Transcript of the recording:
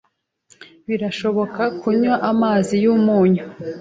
Birashoboka kunywa amazi yumunyu?